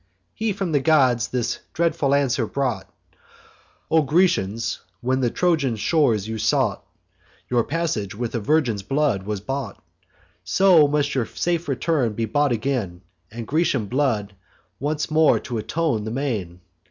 He from the gods this dreadful answer brought: "O Grecians, when the Trojan shores you sought, Your passage with a virgin's blood was bought: So must your safe return be bought again, And Grecian blood once more atone the main."